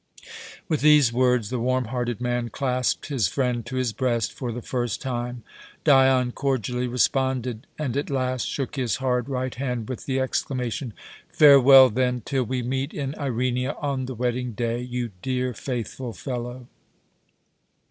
With these words the warm hearted man clasped his friend to his breast for the first time. Dion cordially responded, and at last shook his hard right hand with the exclamation: "Farewell, then, till we meet in Irenia on the wedding day, you dear, faithful fellow."